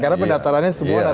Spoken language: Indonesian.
karena pendaftarannya semua